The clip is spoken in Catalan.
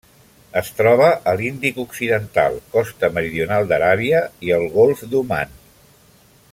Es troba a l'Índic occidental: costa meridional d'Aràbia i el Golf d'Oman.